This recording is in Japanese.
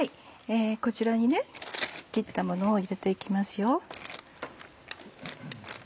こちらに切ったものを入れて行きますよ。